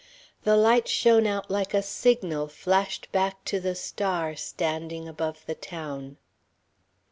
The light shone out like a signal flashed back to the star standing above the town.